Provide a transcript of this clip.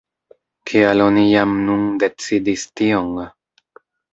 Kial oni jam nun decidis tion?